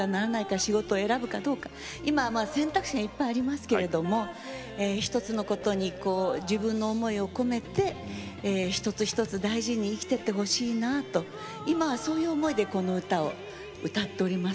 仕事を選ぶかどうか選択肢がいっぱいありますけど１つのことに自分の思いを込めて一つ一つ大事に生きていてほしいなと今はそういう思いでこの歌を歌っております。